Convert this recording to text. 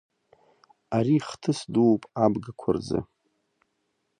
Ари хҭыс дууп абгақәа рзы.